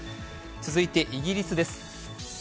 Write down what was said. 続いて、イギリスです。